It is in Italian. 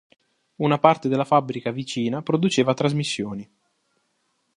Una parte della fabbrica vicina produceva trasmissioni.